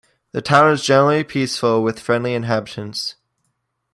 The town is generally peaceful with friendly inhabitants.